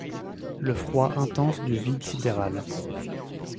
Le froid intense du vide sidéral